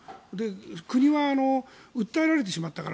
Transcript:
国は訴えられてしまったから。